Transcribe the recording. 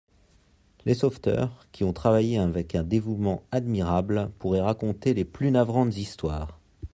Les sauveteurs, qui ont travaillé avec un dévouement admirable, pourraient raconter les plus navrantes histoires.